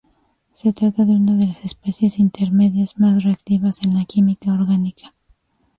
Se trata de una de las especies intermedias más reactivas en la química orgánica.